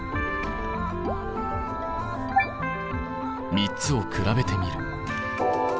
３つを比べてみる。